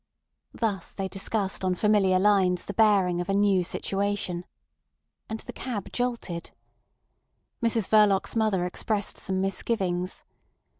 Thus they discussed on familiar lines the bearings of a new situation. And the cab jolted. Mrs Verloc's mother expressed some misgivings.